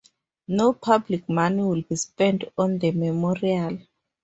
No public money will be spent on the memorial.